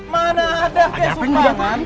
mana ada kakek sumbangan